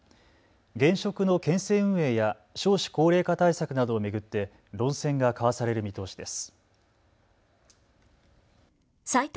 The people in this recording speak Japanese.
現職の県政運営や少子高齢化対策などを巡って論戦が交わされる見通しです。